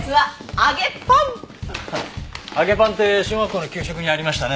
揚げパンって小学校の給食にありましたね。